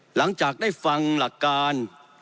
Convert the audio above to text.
หลังจากได้ฟังหลักการ